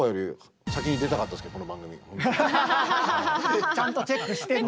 できればちゃんとチェックしてんな。